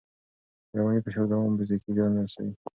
د رواني فشار دوام فزیکي زیان رسوي.